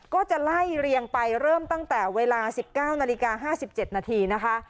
ก็จะไล่เรียงไปเริ่มตั้งแต่เวลา๑๙นาฬิกา๕๗นาทีนะคะ